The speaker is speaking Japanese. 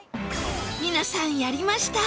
皆さん、やりました！